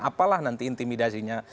apalah nanti intimidasinya